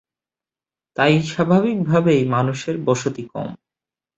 তাই স্বাভাবিক ভাবেই মানুষের বসতি কম।